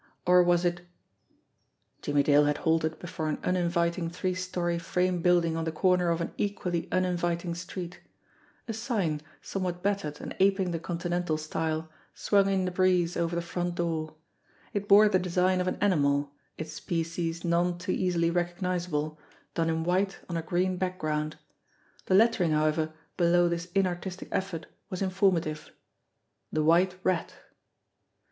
Or was it Jimmie Dale had halted before an uninviting three story frame building on the corner of an equally uninviting street. A sign, somewhat battered and aping the Continental style, swung in the breeze over the front door. It bore the design of an animal, its species none too easily recognisable, done in white on a green background; the lettering, however, below this inartistic effort was informative: THE WHITE RAT.